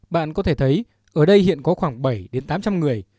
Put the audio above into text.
bạn có thể thấy ở đây hiện có khoảng bảy tám trăm linh người